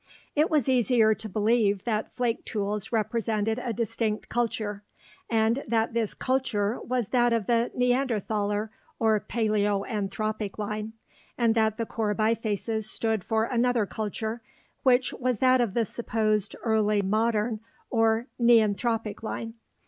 It was easier to believe that flake tools represented a distinct "culture" and that this "culture" was that of the Neanderthaler or paleoanthropic line, and that the core bifaces stood for another "culture" which was that of the supposed early modern or neanthropic line.